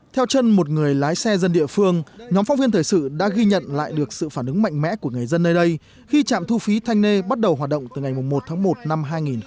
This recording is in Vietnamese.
theo chân một người lái xe dân địa phương nhóm phóng viên thời sự đã ghi nhận lại được sự phản ứng mạnh mẽ của người dân nơi đây khi trạm thu phí thanh nê bắt đầu hoạt động từ ngày một tháng một năm hai nghìn hai mươi